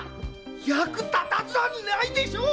「役立たず」はないでしょう